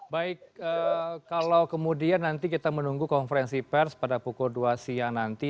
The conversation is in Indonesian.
baik kalau kemudian nanti kita menunggu konferensi pers pada pukul dua siang nanti